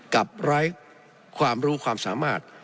ไร้ความรู้ความสามารถ